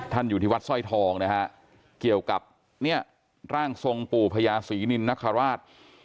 อยู่ที่วัดสร้อยทองนะฮะเกี่ยวกับเนี่ยร่างทรงปู่พญาศรีนินนคราช